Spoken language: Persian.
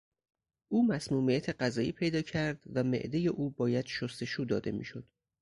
او مسمومیت غذایی پیدا کرد و معدهی او باید شستشو داده میشد.